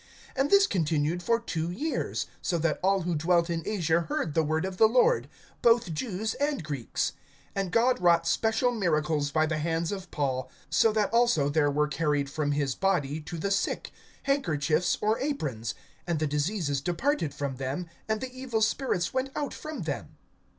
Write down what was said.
(10)And this continued for two years; so that all who dwelt in Asia heard the word of the Lord, both Jews and Greeks. (11)And God wrought special miracles by the hands of Paul; (12)so that also there were carried from his body to the sick, handkerchiefs or aprons, and the diseases departed from them, and the evil spirits went out from them.